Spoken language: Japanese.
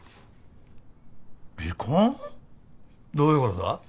どういうことだ？